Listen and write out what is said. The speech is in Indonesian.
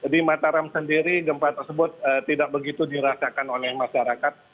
di mataram sendiri gempa tersebut tidak begitu dirasakan oleh masyarakat